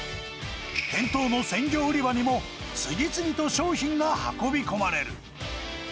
店頭の鮮魚売り場にも、次々と商品が運び込まれる。